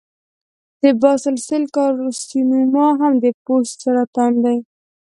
د باسل سیل کارسینوما هم د پوست سرطان دی.